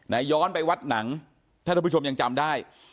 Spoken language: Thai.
ย้อนไปวัดหนังท่านผู้ชมยังจำได้